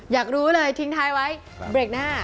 อยากรู้เลยทิ้งท้ายไว้เบรกหน้า